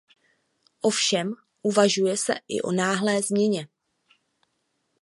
Ovšem uvažuje se i o náhlé změně.